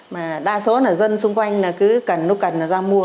mà đa số là dân xung quanh là cứ cần lúc cần là ra mua